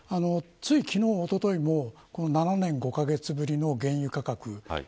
つい昨日、おとといも７年５カ月ぶりの原油価格。